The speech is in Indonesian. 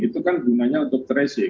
itu kan gunanya untuk tracing